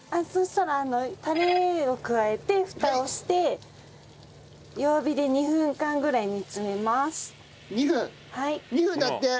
そしたらタレを加えてフタをして弱火で２分間ぐらい煮詰めます。